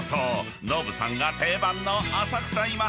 ［ノブさんが定番の浅草今半